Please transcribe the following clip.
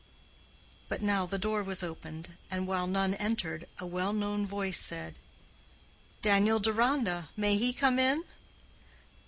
But now the door was opened, and while none entered, a well known voice said: "Daniel Deronda—may he come in?"